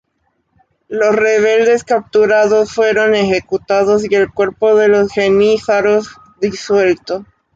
Los rebeldes capturados fueron ejecutados y el cuerpo de los jenízaros disuelto.